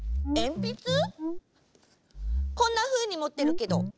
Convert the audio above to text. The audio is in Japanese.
こんなふうにもってるけど。